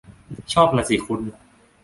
ชอบล่ะสิคุณ